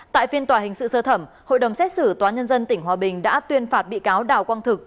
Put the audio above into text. tại phiên tòa hình sự sơ thẩm hội đồng xét xử tòa nhân dân tỉnh hòa bình đã tuyên phạt bị cáo đào quang thực